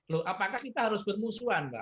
loh apakah kita harus bermusuhan mbak